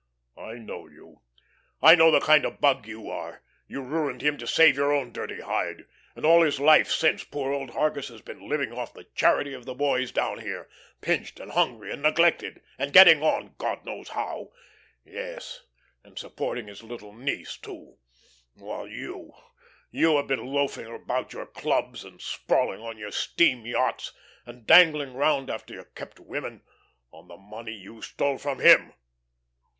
_ I know you. I know the kind of bug you are. You ruined him to save your own dirty hide, and all his life since poor old Hargus has been living off the charity of the boys down here, pinched and hungry and neglected, and getting on, God knows how; yes, and supporting his little niece, too, while you, you have been loafing about your clubs, and sprawling on your steam yachts, and dangling round after your kept women on the money you stole from him."